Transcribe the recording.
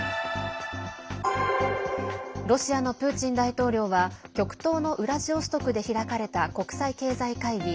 ロシアのプーチン大統領は極東のウラジオストクで開かれた国際経済会議